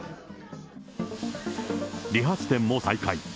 理髪店も再開。